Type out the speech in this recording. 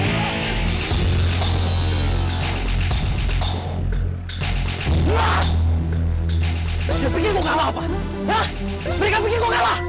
mereka pikir lo kalah